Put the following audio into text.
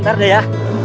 ntar deh ya